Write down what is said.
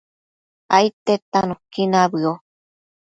aidtedta nuqui nabëo